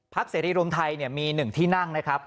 พักเซลลี่รวมไทยเนี่ยมีหนึ่งที่นั่งนะครับ